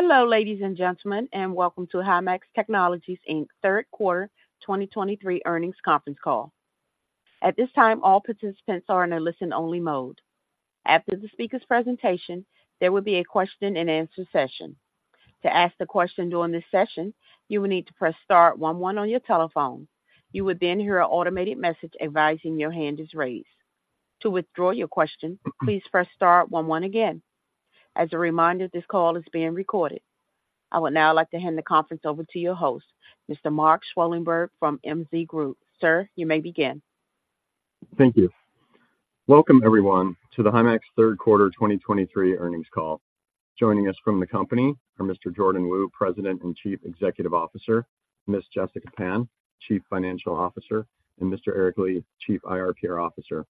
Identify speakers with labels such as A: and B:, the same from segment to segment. A: Hello, ladies and gentlemen, and welcome to Himax Technologies Inc.'s third quarter 2023 earnings conference call. At this time, all participants are in a listen-only mode. After the speaker's presentation, there will be a question-and-answer session. To ask the question during this session, you will need to press star one one on your telephone. You would then hear an automated message advising your hand is raised. To withdraw your question, please press star one one again. As a reminder, this call is being recorded. I would now like to hand the conference over to your host, Mr. Mark Schwalenberg, from MZ Group. Sir, you may begin.
B: Thank you. Welcome, everyone, to the Himax third quarter 2023 earnings call. Joining us from the company are Mr. Jordan Wu, President and Chief Executive Officer, Ms. Jessica Pan, Chief Financial Officer, and Mr. Eric Li, Chief IR/PR Officer.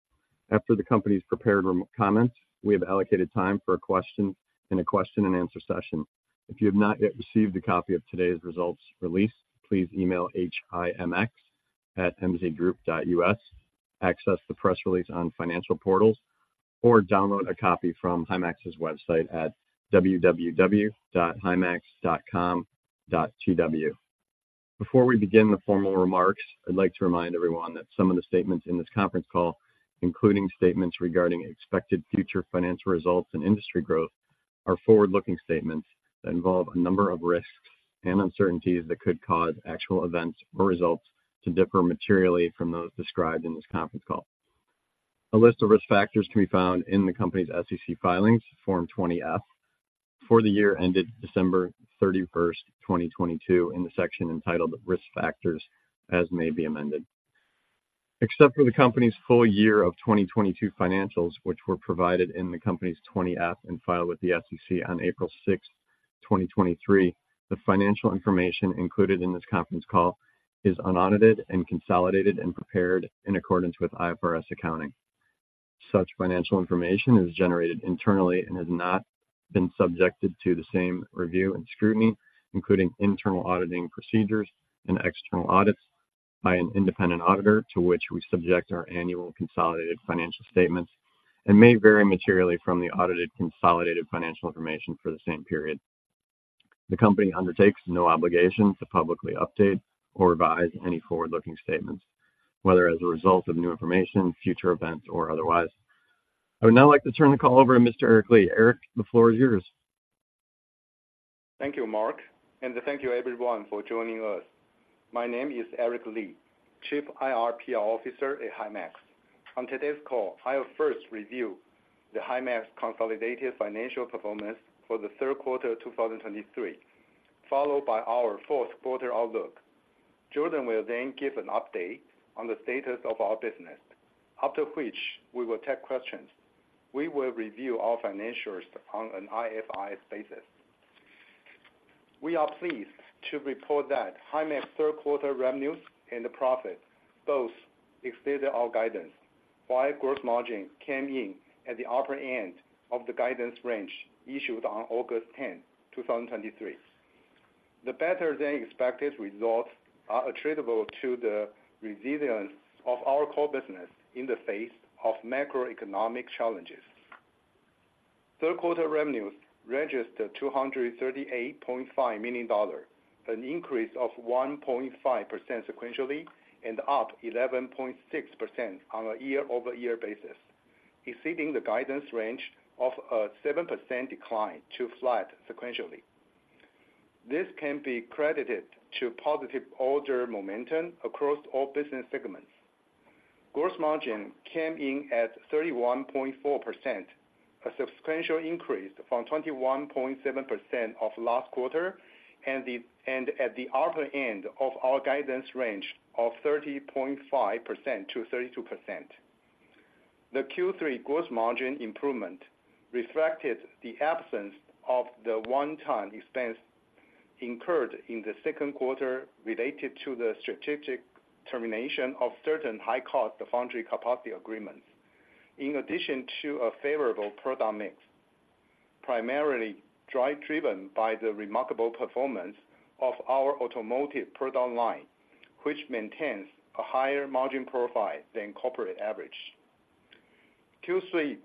B: After the company's prepared remarks, we have allocated time for a question in a question-and-answer session. If you have not yet received a copy of today's results release, please email himx@mzgroup.us. Access the press release on financial portals or download a copy from Himax's website at www.himax.com.tw. Before we begin the formal remarks, I'd like to remind everyone that some of the statements in this conference call, including statements regarding expected future financial results and industry growth, are forward-looking statements that involve a number of risks and uncertainties that could cause actual events or results to differ materially from those described in this conference call. A list of risk factors can be found in the company's SEC filings, Form 20-F, for the year ended December 31, 2022, in the section entitled "Risk Factors, as may be amended." Except for the company's full year of 2022 financials, which were provided in the company's 20-F and filed with the SEC on April 6, 2023, the financial information included in this conference call is unaudited and consolidated and prepared in accordance with IFRS accounting. Such financial information is generated internally and has not been subjected to the same review and scrutiny, including internal auditing procedures and external audits by an independent auditor, to which we subject our annual consolidated financial statements and may vary materially from the audited consolidated financial information for the same period. The company undertakes no obligation to publicly update or revise any forward-looking statements, whether as a result of new information, future events, or otherwise. I would now like to turn the call over to Mr. Eric Li. Eric, the floor is yours.
C: Thank you, Mark, and thank you everyone for joining us. My name is Eric Li, Chief IR/PR Officer at Himax. On today's call, I'll first review the Himax consolidated financial performance for the third quarter of 2023, followed by our fourth quarter outlook. Jordan will then give an update on the status of our business, after which we will take questions. We will review our financials on an IFRS basis. We are pleased to report that Himax third quarter revenues and the profit both exceeded our guidance, while gross margin came in at the upper end of the guidance range, issued on August 10, 2023. The better than expected results are attributable to the resilience of our core business in the face of macroeconomic challenges. Third quarter revenues registered $238.5 million, an increase of 1.5% sequentially, and up 11.6% on a year-over-year basis, exceeding the guidance range of a 7% decline to flat sequentially. This can be credited to positive order momentum across all business segments. Gross margin came in at 31.4%, a sequential increase from 21.7% of last quarter, and at the upper end of our guidance range of 30.5%-32%. The Q3 gross margin improvement reflected the absence of the one-time expense incurred in the second quarter, related to the strategic termination of certain high-cost foundry capacity agreements. In addition to a favorable product mix, primarily driven by the remarkable performance of our automotive product line, which maintains a higher margin profile than corporate average. Q3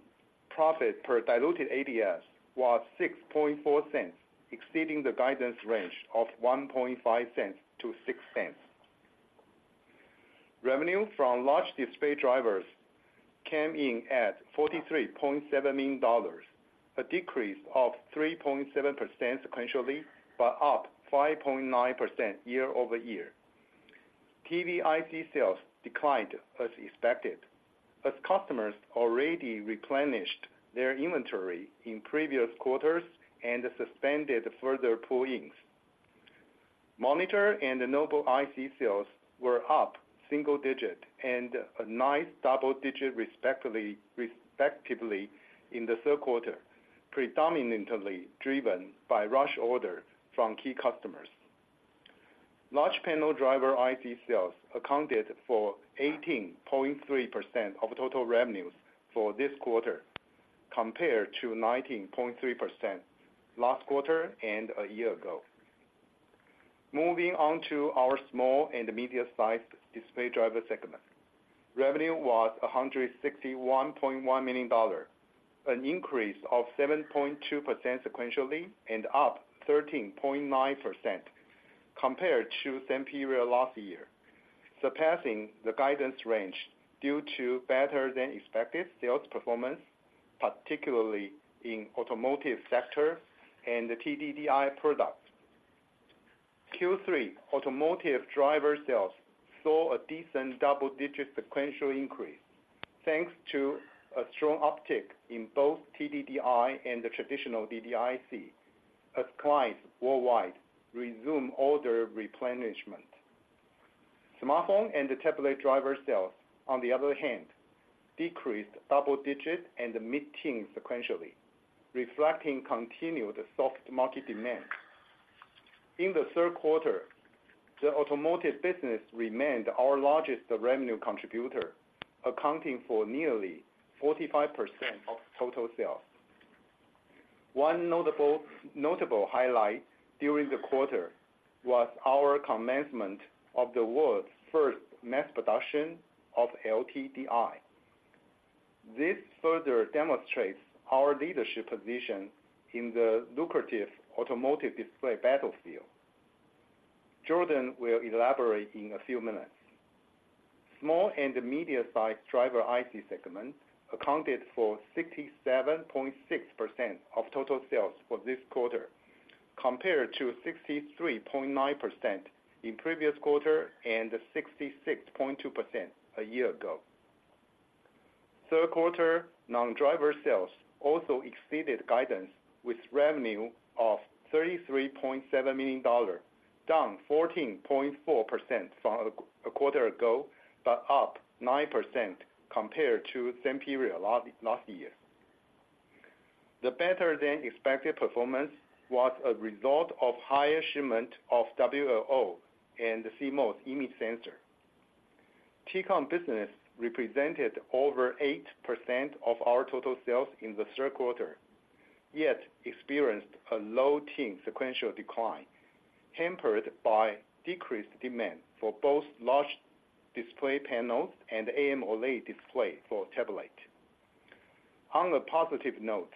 C: profit per diluted ADS was $0.064, exceeding the guidance range of $0.015-$0.06. Revenue from large display drivers came in at $43.7 million, a decrease of 3.7% sequentially, but up 5.9% year-over-year. TV IC sales declined as expected, as customers already replenished their inventory in previous quarters and suspended further pull-ins. Monitor and notebook IC sales were up single digit and a nice double digit, respectively, in the third quarter, predominantly driven by rush order from key customers. Large panel driver IC sales accounted for 18.3% of total revenues for this quarter, compared to 19.3% last quarter and a year ago.... Moving on to our small and medium-sized display driver segment. Revenue was $161.1 million, an increase of 7.2% sequentially, and up 13.9% compared to same period last year, surpassing the guidance range due to better than expected sales performance, particularly in automotive sector and the TDDI products. Q3 automotive driver sales saw a decent double-digit sequential increase, thanks to a strong uptick in both TDDI and the traditional DDIC, as clients worldwide resume order replenishment. Smartphone and the tablet driver sales, on the other hand, decreased double-digit and mid-teen sequentially, reflecting continued soft market demand. In the third quarter, the automotive business remained our largest revenue contributor, accounting for nearly 45% of total sales. One notable highlight during the quarter was our commencement of the world's first mass production of LTDI. This further demonstrates our leadership position in the lucrative automotive display battlefield. Jordan will elaborate in a few minutes. Small and medium-sized driver IC segment accounted for 67.6% of total sales for this quarter, compared to 63.9% in previous quarter, and 66.2% a year ago. Third quarter, non-driver sales also exceeded guidance, with revenue of $33.7 million, down 14.4% from a quarter ago, but up 9% compared to the same period last year. The better-than-expected performance was a result of higher shipment of WLO and the CMOS image sensor. T-Con business represented over 8% of our total sales in the third quarter, yet experienced a low-teen sequential decline, hampered by decreased demand for both large display panels and AMOLED display for tablet. On a positive note,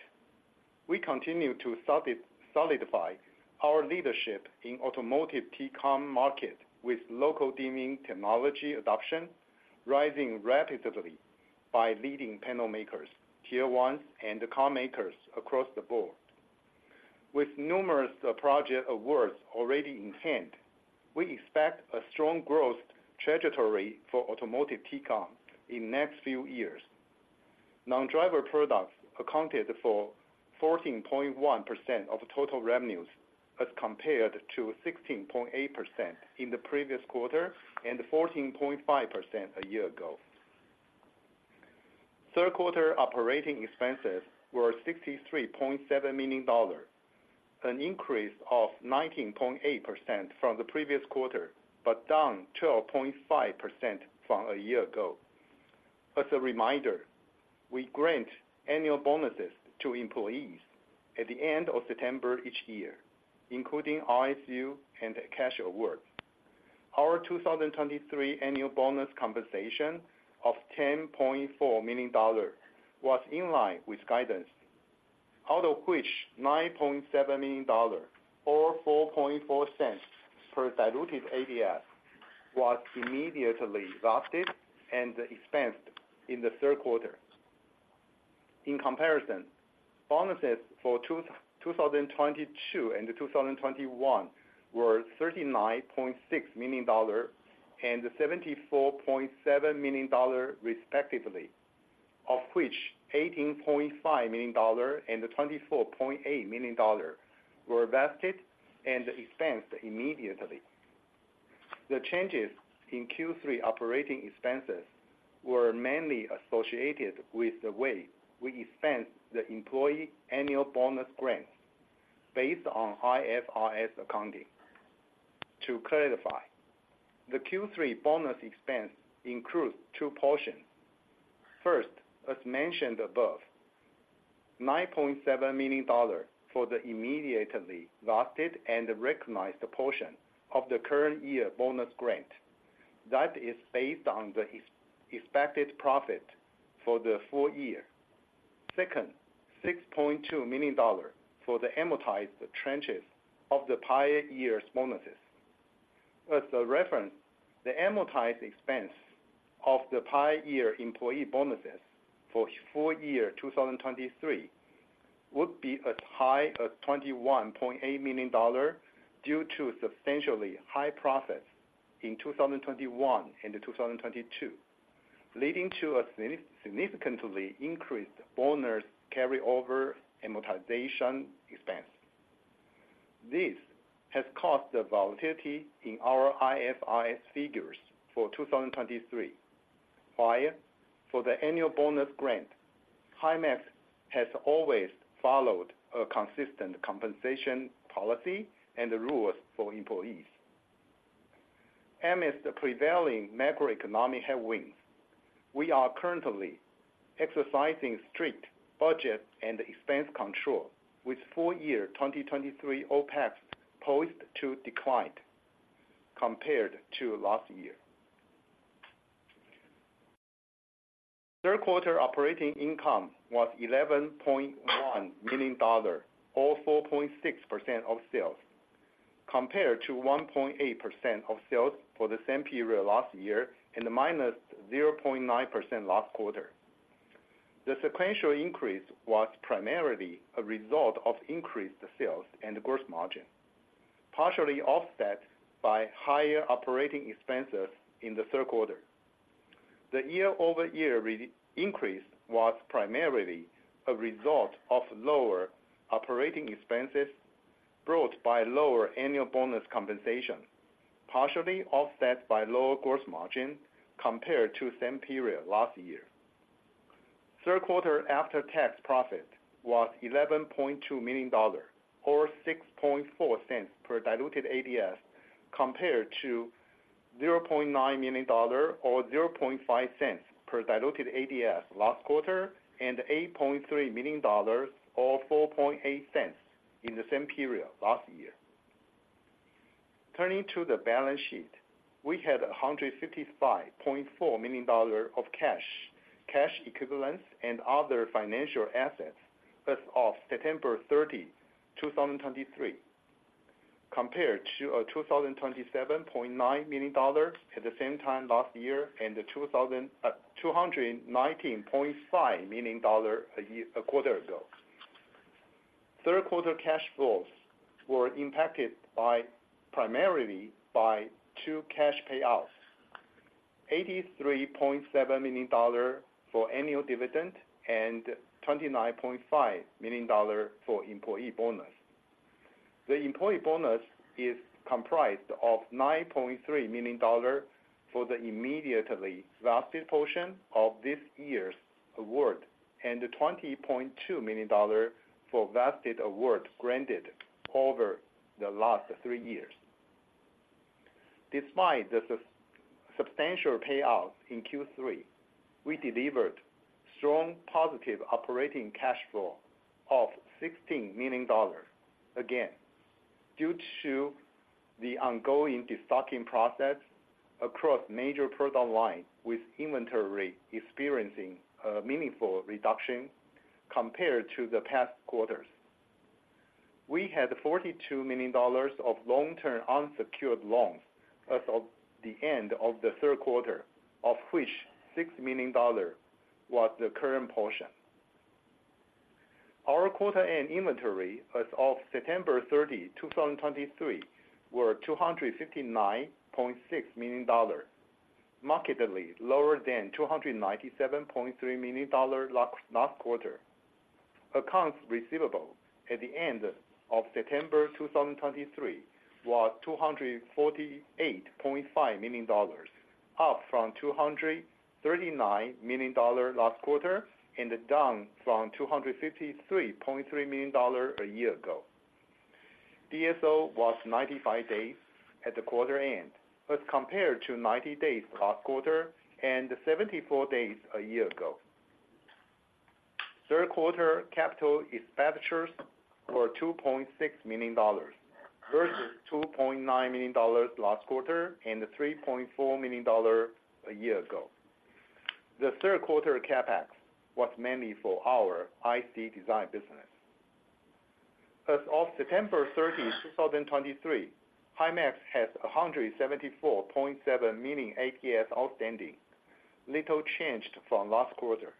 C: we continue to solidify our leadership in automotive T-Con market, with local dimming technology adoption rising rapidly by leading panel makers, tier ones, and the car makers across the board. With numerous project awards already in hand, we expect a strong growth trajectory for automotive T-Con in next few years. Non-driver products accounted for 14.1% of total revenues, as compared to 16.8% in the previous quarter and 14.5% a year ago. Third quarter operating expenses were $63.7 million, an increase of 19.8% from the previous quarter, but down 12.5% from a year ago. As a reminder, we grant annual bonuses to employees at the end of September each year, including RSU and cash awards. Our 2023 annual bonus compensation of $10.4 million was in line with guidance, out of which $9.7 million or 4.4 cents per diluted ADS was immediately vested and expensed in the third quarter. In comparison, bonuses for 2022 and 2021 were $39.6 million and $74.7 million respectively, of which $18.5 million and $24.8 million were vested and expensed immediately. The changes in Q3 operating expenses were mainly associated with the way we expense the employee annual bonus grants based on IFRS accounting. To clarify, the Q3 bonus expense includes two portions. First, as mentioned above, $9.7 million for the immediately vested and recognized portion of the current year bonus grant. That is based on the expected profit for the full year. Second, $6.2 million for the amortized tranches of the prior year's bonuses. As a reference, the amortized expense of the prior year employee bonuses for full year 2023 would be as high as $21.8 million, due to substantially high profits in 2021 and 2022, leading to a significantly increased bonus carryover amortization expense. This has caused a volatility in our IFRS figures for 2023. While for the annual bonus grant, Himax has always followed a consistent compensation policy and rules for employees.... amidst the prevailing macroeconomic headwinds, we are currently exercising strict budget and expense control, with full year 2023 OPEX poised to decline compared to last year. Third quarter operating income was $11.1 million, or 4.6% of sales, compared to 1.8% of sales for the same period last year, and -0.9% last quarter. The sequential increase was primarily a result of increased sales and gross margin, partially offset by higher operating expenses in the third quarter. The year-over-year increase was primarily a result of lower operating expenses brought by lower annual bonus compensation, partially offset by lower gross margin compared to same period last year. Third quarter after-tax profit was $11.2 million, or $0.064 per diluted ADS, compared to $0.9 million, or $0.005 per diluted ADS last quarter, and $8.3 million, or $0.048 in the same period last year. Turning to the balance sheet, we had $155.4 million of cash, cash equivalents, and other financial assets as of September 30, 2023, compared to $2,027.9 million at the same time last year, and $2,219.5 million a year, a quarter ago. Third quarter cash flows were impacted by, primarily by two cash payouts: $83.7 million for annual dividend and $29.5 million for employee bonus. The employee bonus is comprised of $9.3 million for the immediately vested portion of this year's award, and $20.2 million for vested award granted over the last three years. Despite the substantial payouts in Q3, we delivered strong positive operating cash flow of $16 million. Again, due to the ongoing destocking process across major product lines, with inventory experiencing a meaningful reduction compared to the past quarters. We had $42 million of long-term unsecured loans as of the end of the third quarter, of which $6 million was the current portion. Our quarter-end inventory as of September 30, 2023, were $259.6 million, markedly lower than $297.3 million last quarter. Accounts receivable at the end of September 2023, was $248.5 million, up from $239 million last quarter, and down from $253.3 million a year ago. DSO was 95 days at the quarter end, as compared to 90 days last quarter and 74 days a year ago. Third quarter capital expenditures were $2.6 million, versus $2.9 million last quarter, and $3.4 million a year ago. The third quarter CapEx was mainly for our IC design business. As of September 30, 2023, Himax has 174.7 million ADS outstanding, little changed from last quarter.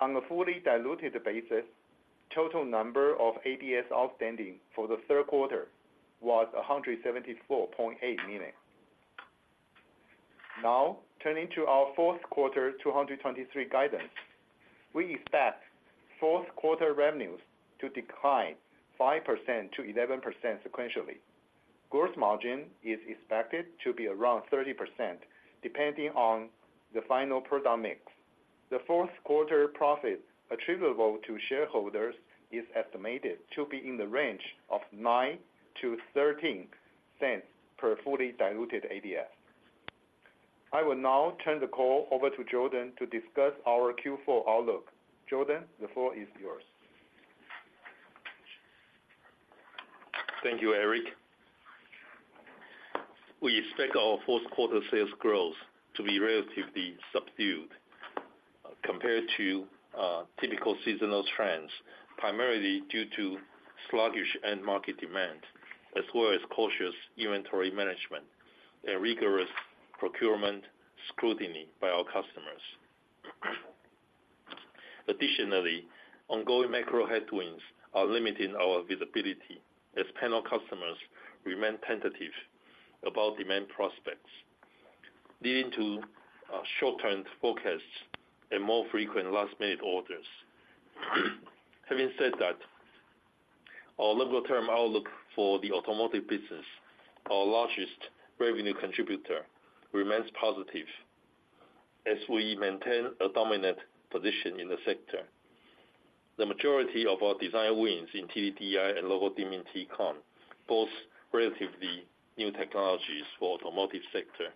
C: On a fully diluted basis, total number of ADS outstanding for the third quarter was 174.8 million. Now, turning to our fourth quarter 2023 guidance. We expect fourth quarter revenues to decline 5%-11% sequentially. Gross margin is expected to be around 30%, depending on the final product mix. The fourth quarter profit attributable to shareholders is estimated to be in the range of $0.09-$0.13 per fully diluted ADS. I will now turn the call over to Jordan to discuss our Q4 outlook. Jordan, the floor is yours.
D: Thank you, Eric. We expect our fourth quarter sales growth to be relatively subdued compared to typical seasonal trends, primarily due to sluggish end market demand, as well as cautious inventory management and rigorous procurement scrutiny by our customers. Additionally, ongoing macro headwinds are limiting our visibility as panel customers remain tentative about demand prospects, leading to shortened forecasts and more frequent last-minute orders. Having said that, our longer-term outlook for the automotive business, our largest revenue contributor, remains positive as we maintain a dominant position in the sector.... The majority of our design wins in TDDI and local dimming T-Con, both relatively new technologies for automotive sector,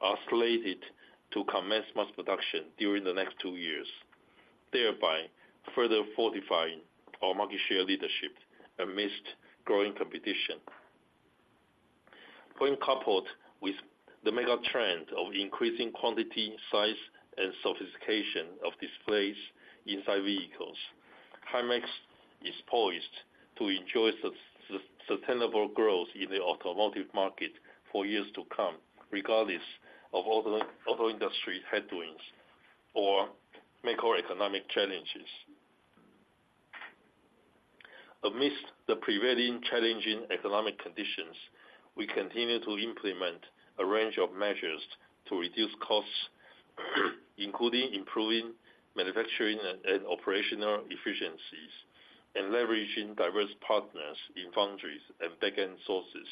D: are slated to commence mass production during the next two years, thereby further fortifying our market share leadership amidst growing competition. When coupled with the mega trend of increasing quantity, size, and sophistication of displays inside vehicles, Himax is poised to enjoy sustainable growth in the automotive market for years to come, regardless of auto industry headwinds or macroeconomic challenges. Amidst the prevailing challenging economic conditions, we continue to implement a range of measures to reduce costs, including improving manufacturing and operational efficiencies and leveraging diverse partners in foundries and back-end sources.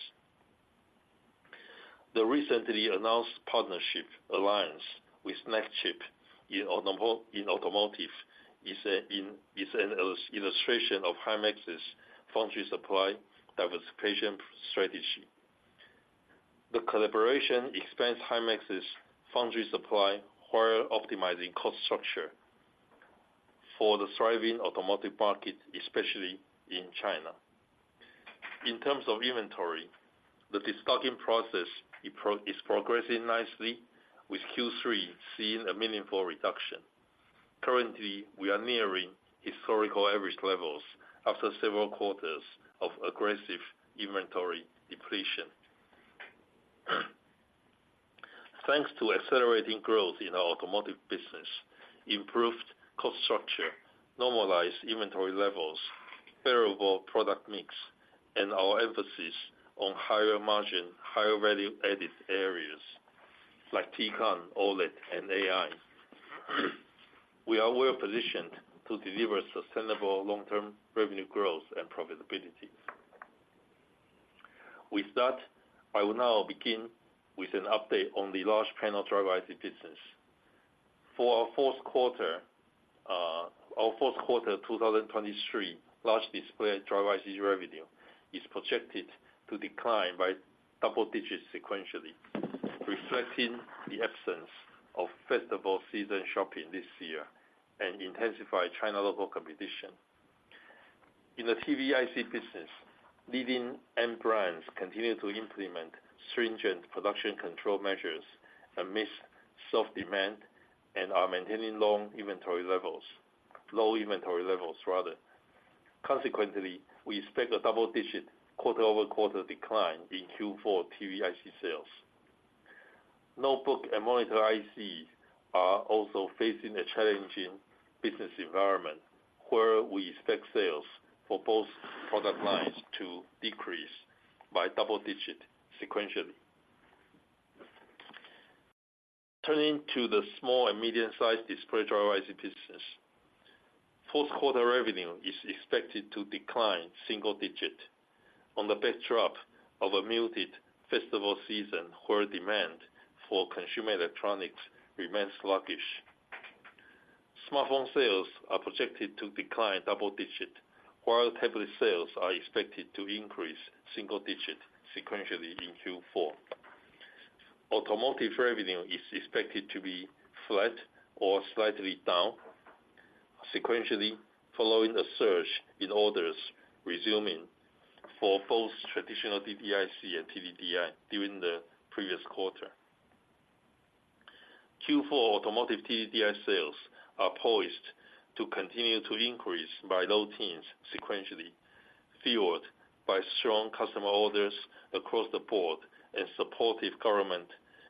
D: The recently announced partnership alliance with Nexchip in automotive is an illustration of Himax's foundry supply diversification strategy. The collaboration expands Himax's foundry supply while optimizing cost structure for the thriving automotive market, especially in China. In terms of inventory, the destocking process is progressing nicely, with Q3 seeing a meaningful reduction. Currently, we are nearing historical average levels after several quarters of aggressive inventory depletion. Thanks to accelerating growth in our automotive business, improved cost structure, normalized inventory levels, favorable product mix, and our emphasis on higher margin, higher value-added areas like T-Con, OLED, and AI, we are well positioned to deliver sustainable long-term revenue growth and profitability. With that, I will now begin with an update on the large panel driver IC business. For our fourth quarter, our fourth quarter 2023, large display driver IC revenue is projected to decline by double digits sequentially, reflecting the absence of festival season shopping this year and intensified China local competition. In the TV IC business, leading end brands continue to implement stringent production control measures amidst soft demand and are maintaining low inventory levels. Low inventory levels rather. Consequently, we expect a double-digit quarter-over-quarter decline in Q4 TV IC sales. Notebook and monitor IC are also facing a challenging business environment, where we expect sales for both product lines to decrease by double-digit sequentially. Turning to the small and medium-sized display driver IC business. Fourth quarter revenue is expected to decline single-digit on the backdrop of a muted festival season, where demand for consumer electronics remains sluggish. Smartphone sales are projected to decline double-digit, while tablet sales are expected to increase single-digit sequentially in Q4. Automotive revenue is expected to be flat or slightly down sequentially, following a surge in orders resuming for both traditional DDIC and TDDI during the previous quarter. Q4 automotive TDDI sales are poised to continue to increase by low teens sequentially, fueled by strong customer orders across the board and supportive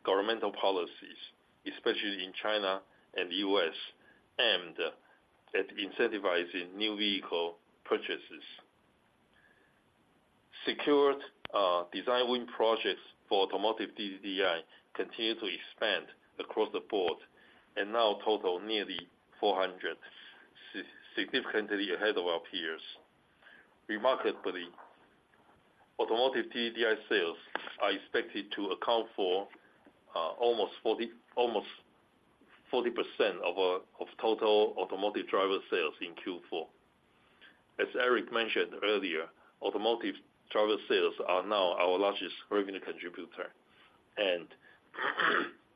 D: governmental policies, especially in China and the U.S., aimed at incentivizing new vehicle purchases. Secured design win projects for automotive TDDI continue to expand across the board and now total nearly 400, significantly ahead of our peers. Remarkably, automotive TDDI sales are expected to account for almost 40, almost 40% of our total automotive driver sales in Q4. As Eric mentioned earlier, automotive driver sales are now our largest revenue contributor, and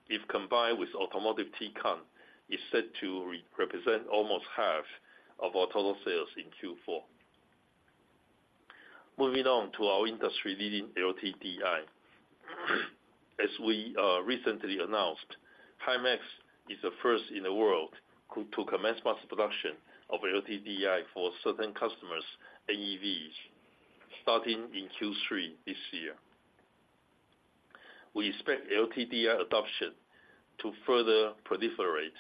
D: if combined with automotive T-Con, is set to represent almost half of our total sales in Q4. Moving on to our industry-leading LTDI. As we recently announced, Himax is the first in the world to commence mass production of LTDI for certain customers' NEVs, starting in Q3 this year. We expect LTDI adoption to further proliferate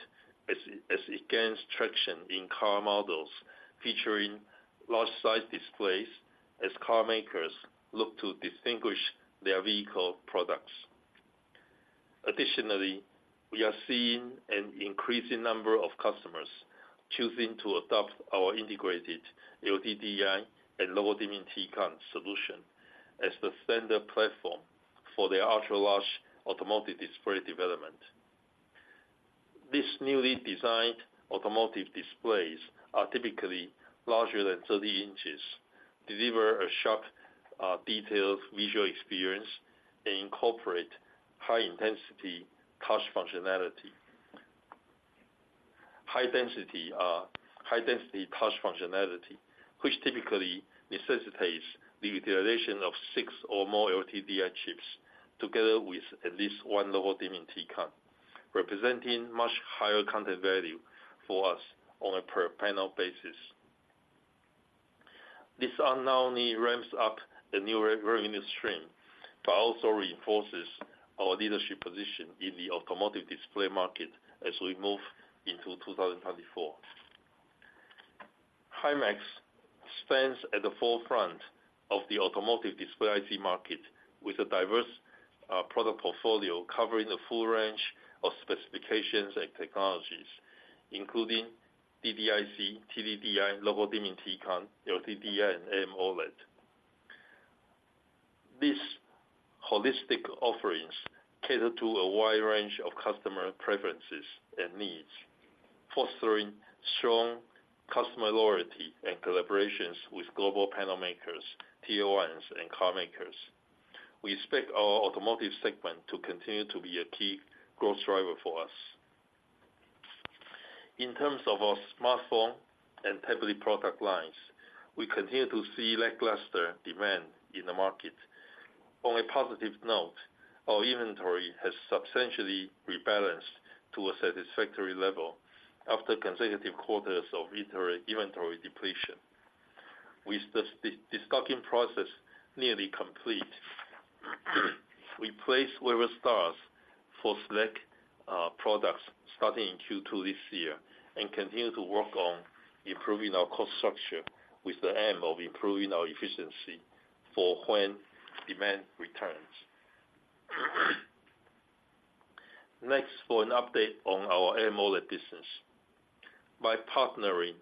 D: as it gains traction in car models featuring large size displays, as car makers look to distinguish their vehicle products. Additionally, we are seeing an increasing number of customers choosing to adopt our integrated LTDI and local dimming T-Con solution as the standard platform for their ultra-large automotive display development. This newly designed automotive displays are typically larger than 30 inches, deliver a sharp, detailed visual experience, and incorporate high intensity touch functionality. High density, high-density touch functionality, which typically necessitates the utilization of 6 or more LTDI chips together with at least one local dimming T-Con, representing much higher content value for us on a per panel basis. This not only ramps up the new revenue stream, but also reinforces our leadership position in the automotive display market as we move into 2024. Himax stands at the forefront of the automotive display IC market with a diverse product portfolio covering a full range of specifications and technologies, including DDIC, TDDI, local dimming T-Con, LTDI, and AMOLED. These holistic offerings cater to a wide range of customer preferences and needs, fostering strong customer loyalty and collaborations with global panel makers, TOIs, and car makers. We expect our automotive segment to continue to be a key growth driver for us. In terms of our smartphone and tablet product lines, we continue to see lackluster demand in the market. On a positive note, our inventory has substantially rebalanced to a satisfactory level after consecutive quarters of inventory depletion. With the stocking process nearly complete, we place reorders for select products starting in Q2 this year, and continue to work on improving our cost structure with the aim of improving our efficiency for when demand returns. Next, for an update on our AMOLED business. By partnering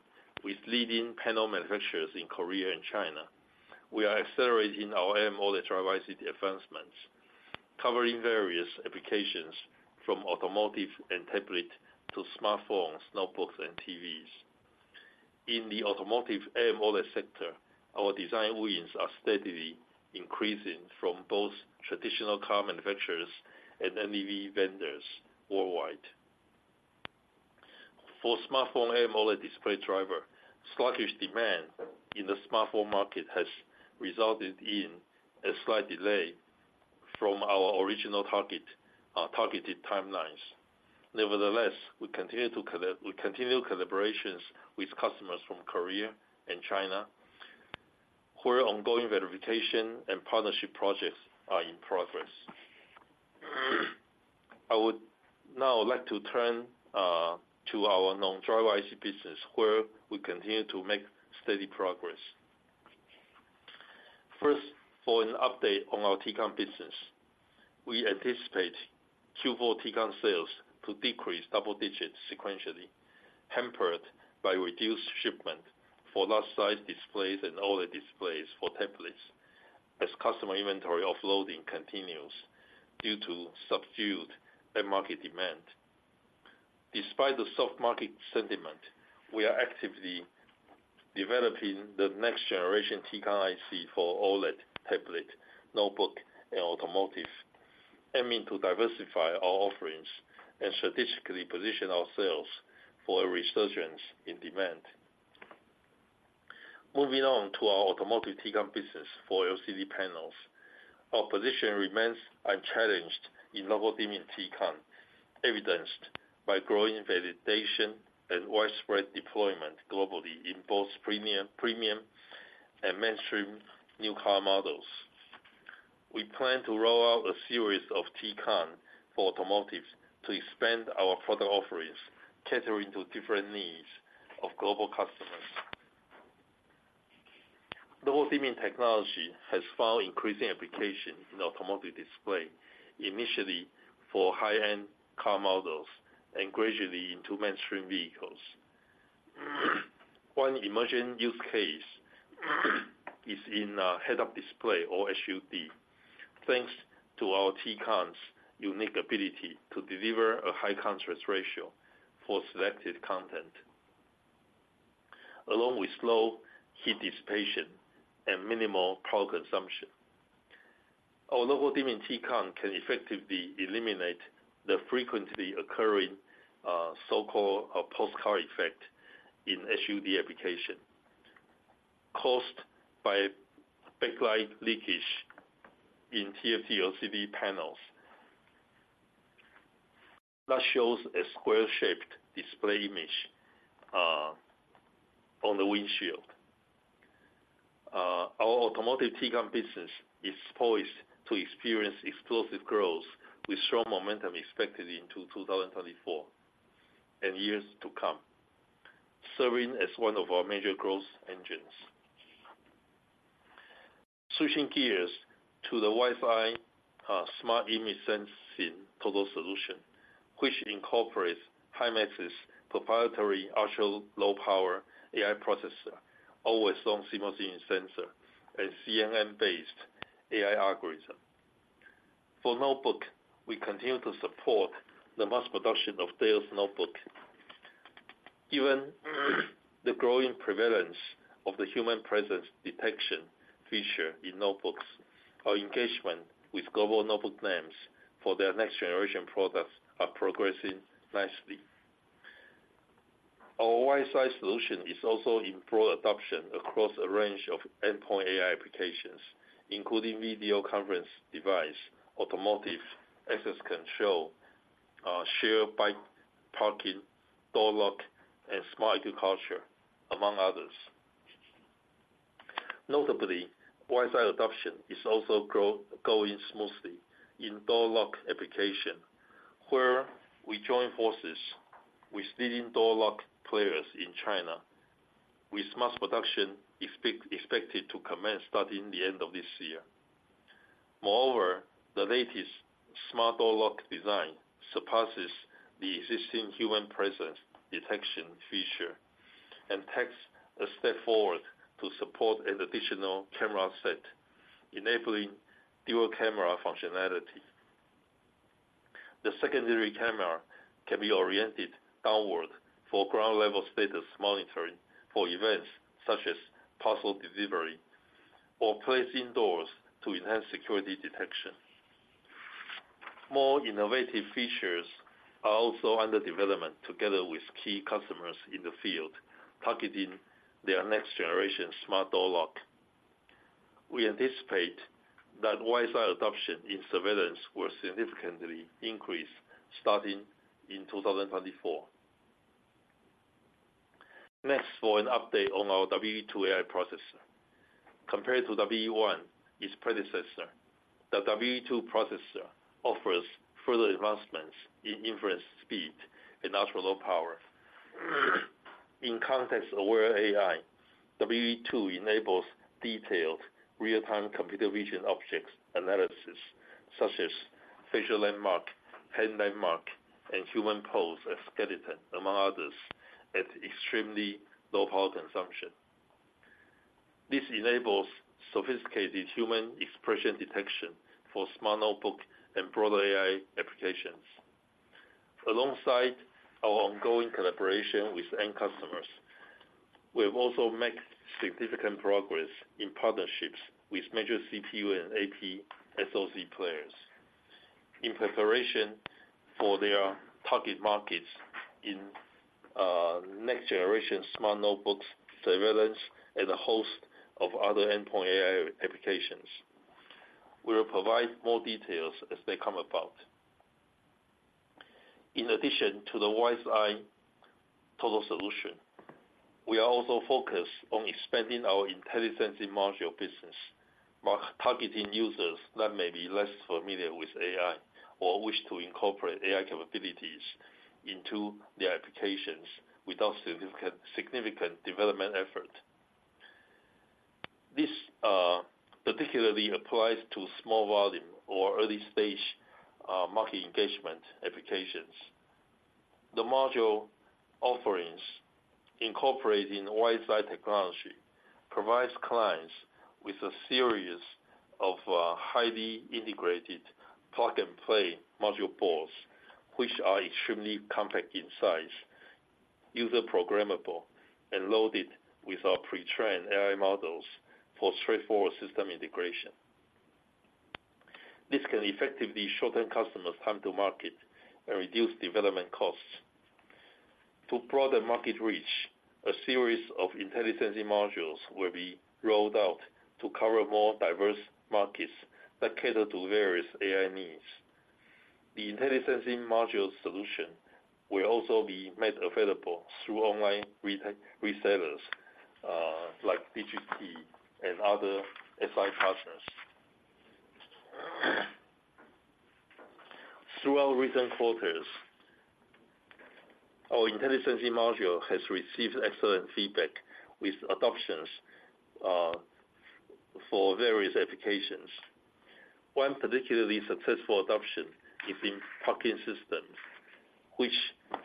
D: with leading panel manufacturers in Korea and China, we are accelerating our AMOLED driver IC advancements, covering various applications from automotive and tablet to smartphones, notebooks, and TVs. In the automotive AMOLED sector, our design wins are steadily increasing from both traditional car manufacturers and NEV vendors worldwide. For smartphone AMOLED display driver, sluggish demand in the smartphone market has resulted in a slight delay from our original targeted timelines. Nevertheless, we continue collaborations with customers from Korea and China, where ongoing verification and partnership projects are in progress. I would now like to turn, to our non-driver IC business, where we continue to make steady progress. First, for an update on our T-CON business. We anticipate Q4 T-CON sales to decrease double digits sequentially, hampered by reduced shipment for large-sized displays and all the displays for tablets, as customer inventory offloading continues due to subdued end market demand. Despite the soft market sentiment, we are actively developing the next generation T-CON IC for OLED, tablet, notebook, and automotive, aiming to diversify our offerings and strategically position ourselves for a resurgence in demand. Moving on to our automotive T-CON business for LCD panels. Our position remains unchallenged in local dimming T-CON, evidenced by growing validation and widespread deployment globally in both premium, premium and mainstream new car models. We plan to roll out a series of T-CON for automotive to expand our product offerings, catering to different needs of global customers. The whole dimming technology has found increasing application in automotive display, initially for high-end car models and gradually into mainstream vehicles. One emerging use case is in head-up display or HUD, thanks to our T-CON's unique ability to deliver a high contrast ratio for selected content, along with slow heat dissipation and minimal power consumption. Our local dimming T-CON can effectively eliminate the frequently occurring so-called postcard effect in HUD application, caused by backlight leakage in TFT LCD panels. That shows a square-shaped display image on the windshield. Our automotive T-CON business is poised to experience explosive growth with strong momentum expected into 2024 and years to come, serving as one of our major growth engines. Switching gears to the WiseEye smart image sensing total solution, which incorporates Himax's proprietary ultra-low power AI processor, always-on CMOS image sensor, and CNN-based AI algorithm. For notebook, we continue to support the mass production of Dell's notebook. Given the growing prevalence of the human presence detection feature in notebooks, our engagement with global notebook brands for their next generation products are progressing nicely. Our WiseEye solution is also in broad adoption across a range of endpoint AI applications, including video conference device, automotive, access control, shared bike parking, door lock, and smart agriculture, among others. Notably, WiseEye adoption is also going smoothly in door lock application, where we join forces with leading door lock players in China, with mass production expected to commence starting the end of this year. Moreover, the latest smart door lock design surpasses the existing human presence detection feature, and takes a step forward to support an additional camera set, enabling dual camera functionality. The secondary camera can be oriented downward for ground-level status monitoring for events such as parcel delivery or placed indoors to enhance security detection. More innovative features are also under development, together with key customers in the field, targeting their next generation smart door lock. We anticipate that WiseEye adoption in surveillance will significantly increase starting in 2024. Next, for an update on our WE2 AI processor. Compared to WE1, its predecessor, the WE2 processor offers further advancements in inference speed and ultra-low power. In context-aware AI, WE2 enables detailed real-time computer vision objects analysis, such as facial landmark, hand landmark, and human pose and skeleton, among others, at extremely low power consumption. This enables sophisticated human expression detection for smart notebook and broader AI applications. Alongside our ongoing collaboration with end customers, we have also made significant progress in partnerships with major CPU and AP SoC players. In preparation for their target markets in next generation smart notebooks, surveillance, and a host of other endpoint AI applications. We will provide more details as they come about. In addition to the WiseEye total solution, we are also focused on expanding our IntelliSensing Module business, targeting users that may be less familiar with AI or wish to incorporate AI capabilities into their applications without significant development effort. This particularly applies to small volume or early stage market engagement applications. The module offerings, incorporating WiseEye technology, provides clients with a series of highly integrated plug-and-play module boards, which are extremely compact in size, user programmable, and loaded with our pre-trained AI models for straightforward system integration. This can effectively shorten customers' time to market and reduce development costs. To broaden market reach, a series of IntelliSensing Modules will be rolled out to cover more diverse markets that cater to various AI needs. The IntelliSensing Module solution will also be made available through online resellers like DigiKey and other SI partners. Throughout recent quarters, our IntelliSensing Module has received excellent feedback with adoptions for various applications. One particularly successful adoption is in parking systems, which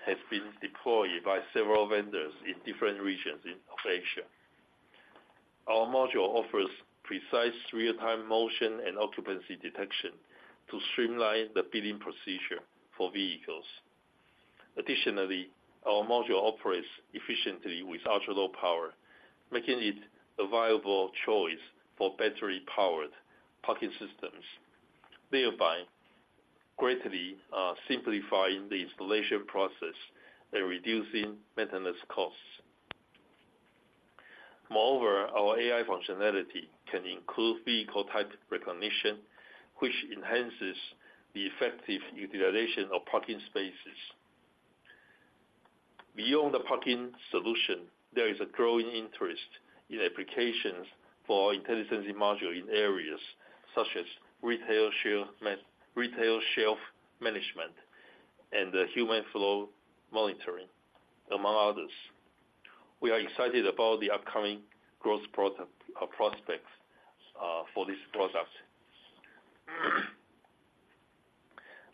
D: have been deployed by several vendors in different regions of Asia. Our module offers precise real-time motion and occupancy detection to streamline the billing procedure for vehicles. Additionally, our module operates efficiently with ultra-low power, making it a viable choice for battery-powered parking systems, thereby greatly simplifying the installation process and reducing maintenance costs. Moreover, our AI functionality can include vehicle type recognition, which enhances the effective utilization of parking spaces. Beyond the parking solution, there is a growing interest in applications for our IntelliSensing Module in areas such as retail shelf management and human flow monitoring, among others. We are excited about the upcoming growth prospects for this product.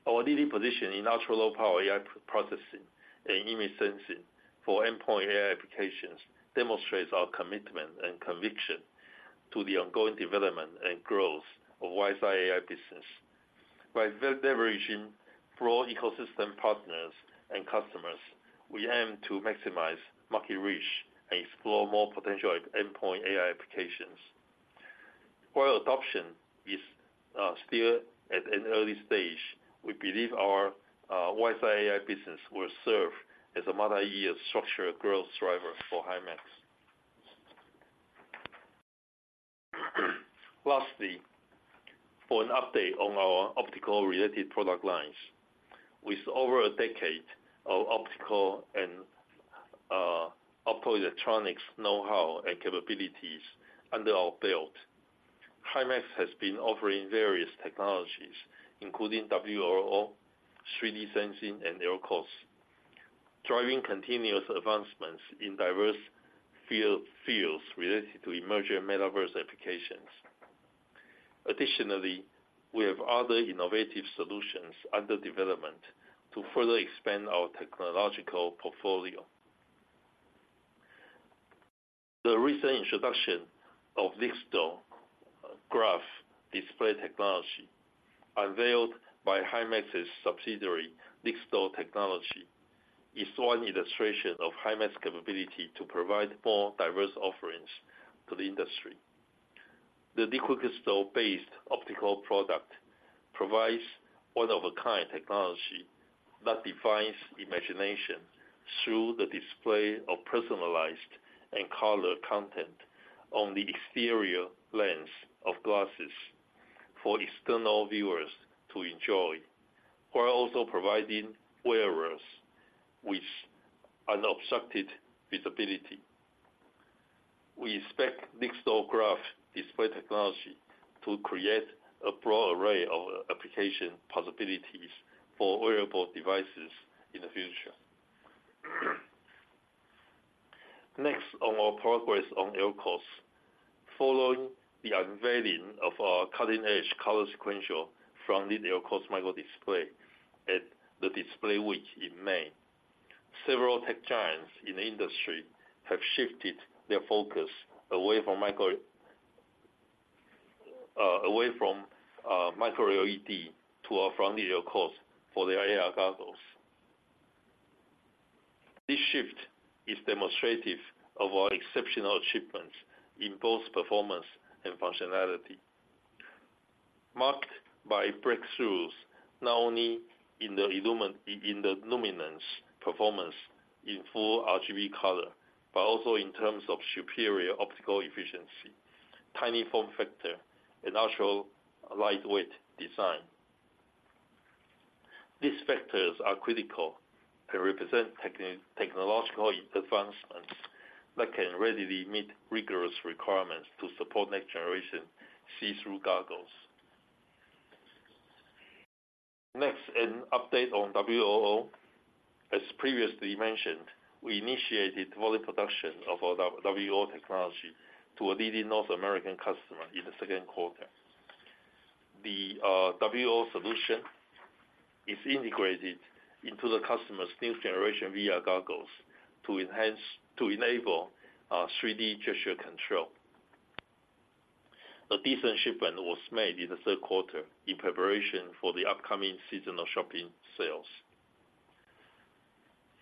D: Our leading position in ultra low power AI processing and image sensing for endpoint AI applications demonstrates our commitment and conviction to the ongoing development and growth of WiseEye AI business. By leveraging broad ecosystem partners and customers, we aim to maximize market reach and explore more potential at endpoint AI applications. While adoption is still at an early stage, we believe our WiseEye AI business will serve as a multi-year structural growth driver for Himax. Lastly, for an update on our optical related product lines. With over a decade of optical and optoelectronics know-how and capabilities under our belt, Himax has been offering various technologies, including WLO, 3D sensing, and LCoS, driving continuous advancements in diverse fields related to emerging metaverse applications. Additionally, we have other innovative solutions under development to further expand our technological portfolio. The recent introduction of Liqxtal Graph display technology, unveiled by Himax's subsidiary, Liqxtal Technology, is one illustration of Himax's capability to provide more diverse offerings to the industry. The liquid crystal-based optical product provides one-of-a-kind technology that defines imagination through the display of personalized and color content on the exterior lens of glasses for external viewers to enjoy, while also providing wearers with unobstructed visibility. We expect Liqxtal Graph display technology to create a broad array of application possibilities for wearable devices in the future. Next, on our progress on LCOS. Following the unveiling of our cutting-edge color sequential front-lead LCOS microdisplay at the Display Week in May, several tech giants in the industry have shifted their focus away from micro, away from micro LED to our front LCOS for their AR goggles. This shift is demonstrative of our exceptional achievements in both performance and functionality. Marked by breakthroughs, not only in the luminance performance in full RGB color, but also in terms of superior optical efficiency, tiny form factor, and ultra lightweight design. These factors are critical and represent technological advancements that can readily meet rigorous requirements to support next generation see-through goggles. Next, an update on WLO. As previously mentioned, we initiated volume production of our WLO technology to a leading North American customer in the second quarter. The WLO solution is integrated into the customer's next generation VR goggles to enable 3D gesture control. A decent shipment was made in the third quarter in preparation for the upcoming seasonal shopping sales.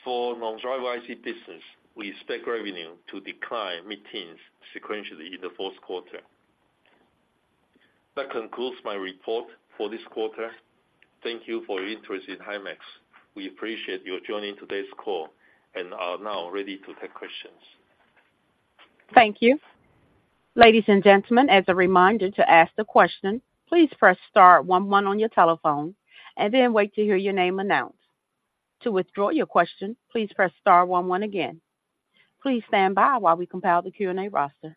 D: For non-driver IC business, we expect revenue to decline mid-teens sequentially in the fourth quarter. That concludes my report for this quarter. Thank you for your interest in Himax.We appreciate you joining today's call and are now ready to take questions.
A: Thank you. Ladies and gentlemen, as a reminder to ask the question, please press star one one on your telephone and then wait to hear your name announced. To withdraw your question, please press star one one again. Please stand by while we compile the Q&A roster.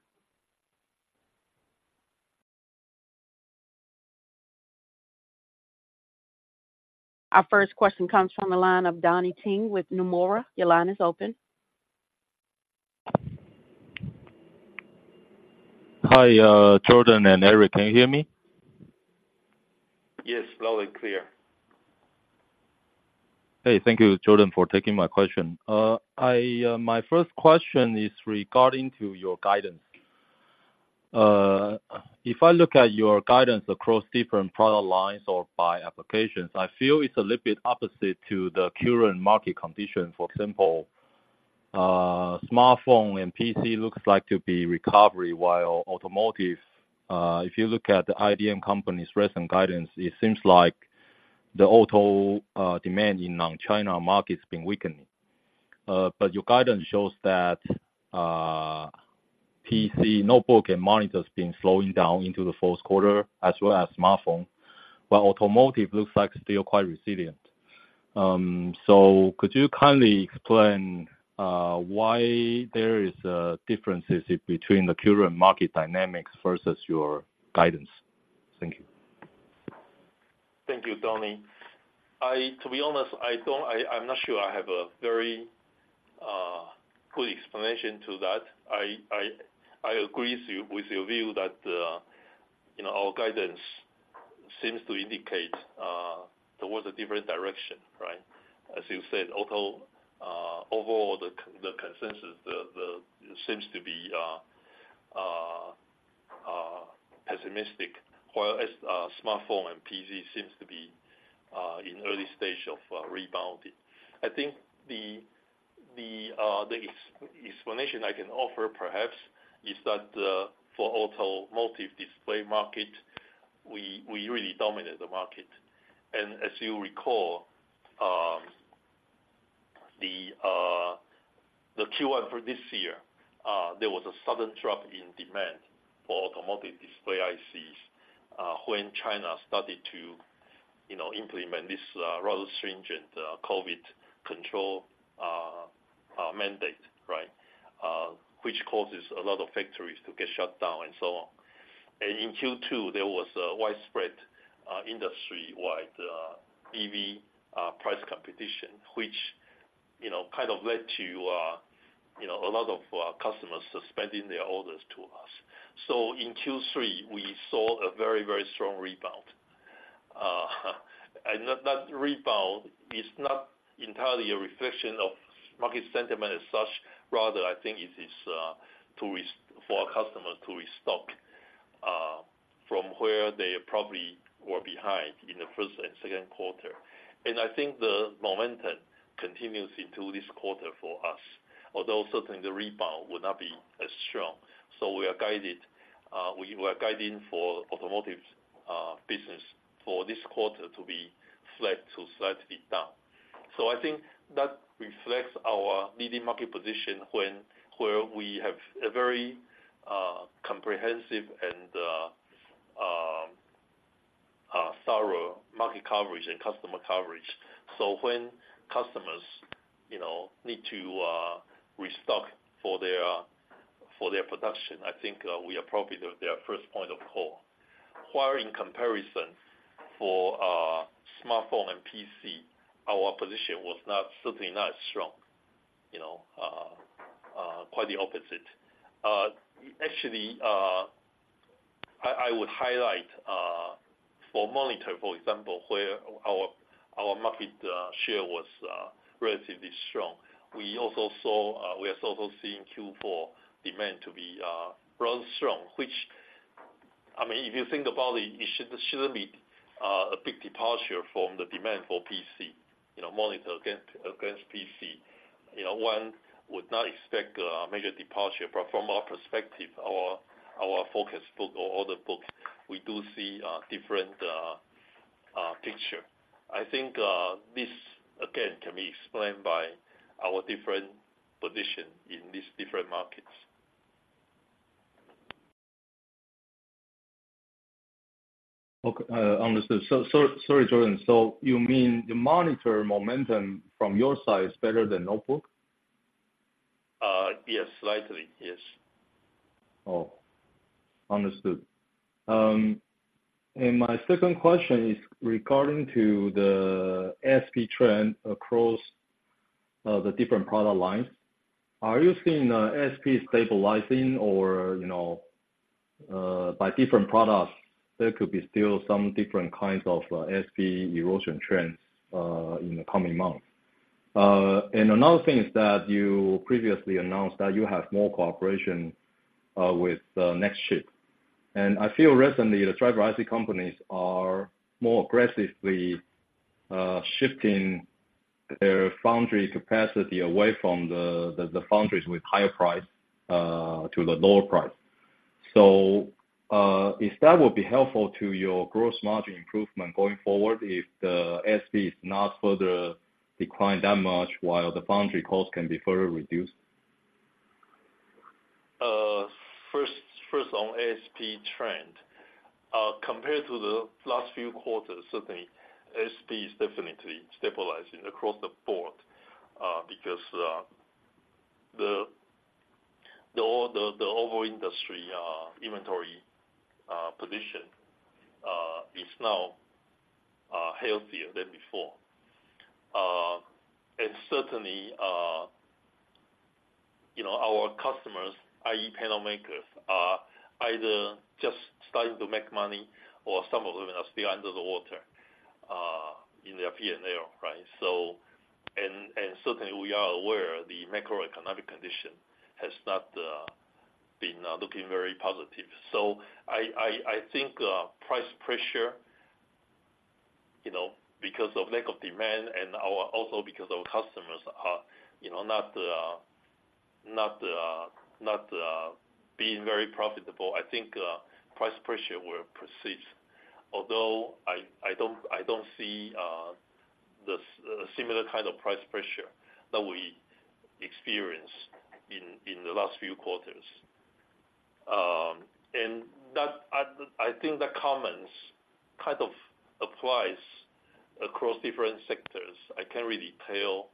A: Our first question comes from the line of Donnie Teng with Nomura. Your line is open.
E: Hi, Jordan and Eric, can you hear me?
D: Yes, loud and clear.
E: Hey, thank you, Jordan, for taking my question. I, my first question is regarding to your guidance. If I look at your guidance across different product lines or by applications, I feel it's a little bit opposite to the current market conditions. For example, smartphone and PC looks like to be recovery, while automotive, if you look at the IDM company's recent guidance, it seems like the auto, demand in non-China markets been weakening. But your guidance shows that, PC, notebook and monitors been slowing down into the fourth quarter, as well as smartphone, while automotive looks like still quite resilient. So could you kindly explain, why there is, differences between the current market dynamics versus your guidance? Thank you.
D: Thank you, Donnie. To be honest, I don't, I'm not sure I have a very full explanation to that. I agree with you, with your view that, you know, our guidance seems to indicate towards a different direction, right? As you said, auto overall, the consensus seems to be pessimistic, whereas smartphone and PC seems to be in early stage of rebounding. I think the explanation I can offer perhaps is that, for automotive display market, we really dominate the market. And as you recall, the Q1 for this year, there was a sudden drop in demand for automotive display ICs, when China started to, you know, implement this rather stringent COVID control mandate, right? Which causes a lot of factories to get shut down and so on. And in Q2, there was a widespread, industry-wide, EV price competition, which, you know, kind of led to, you know, a lot of customers suspending their orders to us. So in Q3, we saw a very, very strong rebound. And that rebound is not entirely a reflection of market sentiment as such. Rather, I think it is for our customers to restock from where they probably were behind in the first and second quarter. And I think the momentum continues into this quarter for us, although certainly the rebound will not be as strong. So we are guided, we were guiding for automotive business for this quarter to be flat to slightly down. So I think that reflects our leading market position where we have a very comprehensive and thorough market coverage and customer coverage. So when customers, you know, need to restock for their production, I think we are probably their first point of call. Where in comparison for smartphone and PC, our position was not certainly not strong, you know, quite the opposite. Actually, I would highlight for monitor, for example, where our market share was relatively strong. We are also seeing Q4 demand to be rather strong, which... I mean, if you think about it, it shouldn't be a big departure from the demand for PC, you know, monitor against PC. You know, one would not expect a major departure, but from our perspective, our focus book or order book, we do see a different picture. I think this again can be explained by our different position in these different markets.
E: Okay, understood. So, sorry, Jordan. So you mean the monitor momentum from your side is better than notebook?
D: Yes, slightly. Yes.
E: Oh, understood. And my second question is regarding to the ASP trend across the different product lines. Are you seeing ASP stabilizing or, you know, by different products, there could be still some different kinds of ASP erosion trends in the coming months? And another thing is that you previously announced that you have more cooperation with NextChip. And I feel recently, the driver IC companies are more aggressively shifting their foundry capacity away from the foundries with higher price to the lower price. So, if that would be helpful to your gross margin improvement going forward, if the ASP is not further declined that much, while the foundry cost can be further reduced.
D: First, on ASP trend. Compared to the last few quarters, certainly ASP is definitely stabilizing across the board, because the overall industry inventory position is now healthier than before. And certainly, you know, our customers, i.e. panel makers, are either just starting to make money or some of them are still under the water in their P&L, right? So, certainly we are aware the macroeconomic condition has not been looking very positive. So I think price pressure, you know, because of lack of demand and also because our customers are, you know, not being very profitable, I think price pressure will persist. Although I don't see the similar kind of price pressure that we experienced in the last few quarters. And that I think that comments kind of applies across different sectors. I can't really tell,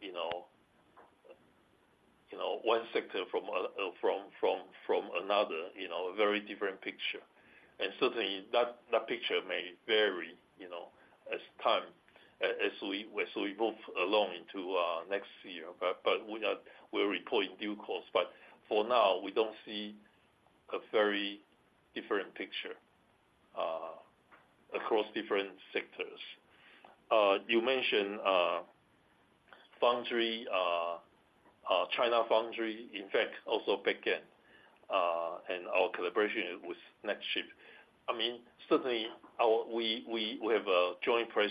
D: you know, you know, one sector from another, you know, a very different picture. And certainly, that picture may vary, you know, as time as we move along into next year. But we'll report in due course. But for now, we don't see a very different picture across different sectors. You mentioned foundry, China foundry, in fact, also back-end, and our collaboration with Nextchip. I mean, certainly our -- we, we, we have a joint press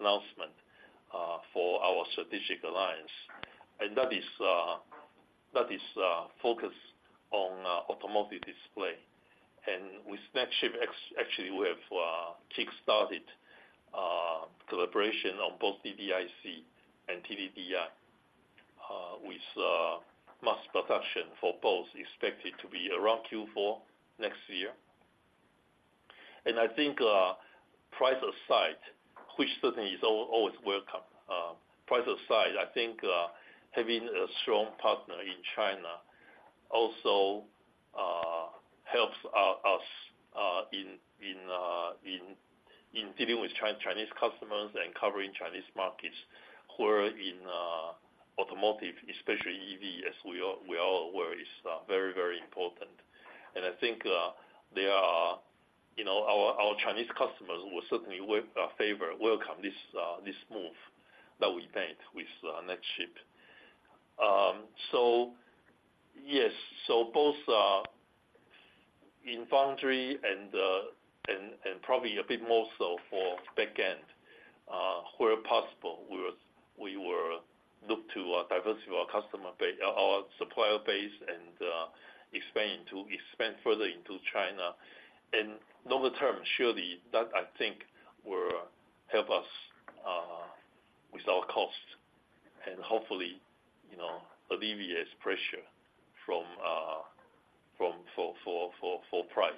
D: announcement for our strategic alliance, and that is, that is focused on automotive display. And with Nextchip, actually we have kick-started collaboration on both DDIC and TDDI with mass production for both expected to be around Q4 next year. And I think price aside, which certainly is always welcome, price aside, I think having a strong partner in China also helps out us in dealing with Chinese customers and covering Chinese markets, where in automotive, especially EV, as we all aware, is very, very important. And I think they are, you know, our Chinese customers will certainly welcome this move that we made with Nextchip. So yes. So both in foundry and probably a bit more so for back end, where possible, we will look to diversify our customer base, our supplier base, and expand further into China. And longer term, surely, that I think will help us with our cost and hopefully, you know, alleviate pressure from price.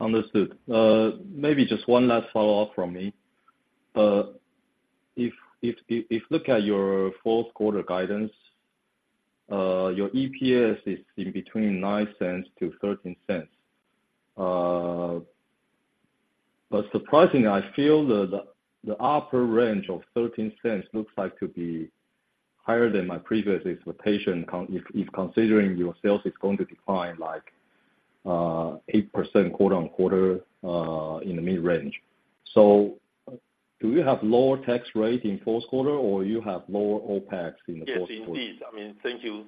E: Understood. Maybe just one last follow-up from me. If you look at your fourth quarter guidance, your EPS is in between $0.09-$0.13. But surprisingly, I feel that the upper range of $0.13 looks like to be higher than my previous expectation, considering your sales is going to decline, like, 8% quarter-on-quarter, in the mid-range. So do you have lower tax rate in fourth quarter, or you have lower OPEX in the fourth quarter?
D: Yes, indeed. I mean, thank you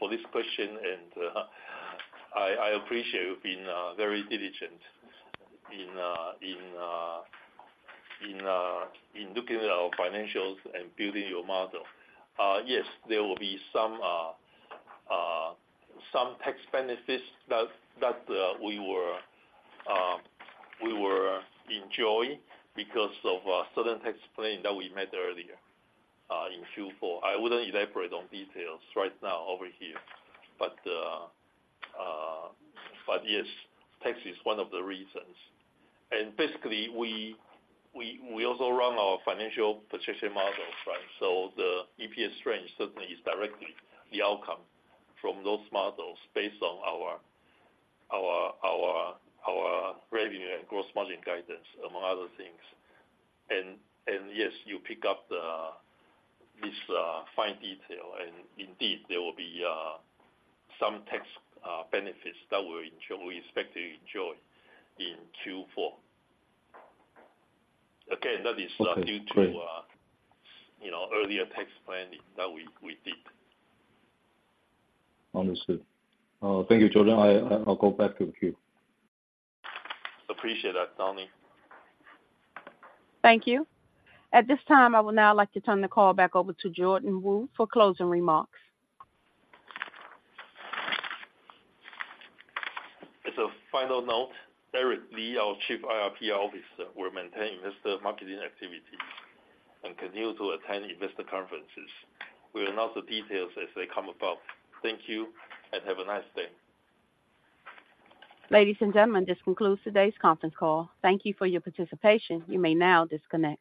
D: for this question, and I appreciate you being very diligent in looking at our financials and building your model. Yes, there will be some tax benefits that we were enjoying because of certain tax planning that we made earlier in Q4. I wouldn't elaborate on details right now over here. But yes, tax is one of the reasons. And basically, we also run our financial projection models, right? So the EPS range certainly is directly the outcome from those models based on our revenue and gross margin guidance, among other things. Yes, you pick up this fine detail, and indeed, there will be some tax benefits that we enjoy, we expect to enjoy in Q4. Again, that is-
E: Okay, great.
D: Due to, you know, earlier tax planning that we did.
E: Understood. Thank you, Jordan. I, I'll go back to the queue.
D: Appreciate that, Tony.
A: Thank you. At this time, I would now like to turn the call back over to Jordan Wu for closing remarks.
D: As a final note, Eric Li, our Chief IR/PR Officer, will maintain investor marketing activities and continue to attend investor conferences. We'll announce the details as they come about. Thank you, and have a nice day.
A: Ladies and gentlemen, this concludes today's conference call. Thank you for your participation. You may now disconnect.